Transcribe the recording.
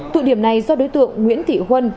thụ điểm này do đối tượng nguyễn thị huân